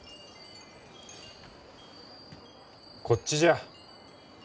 こっちじゃ。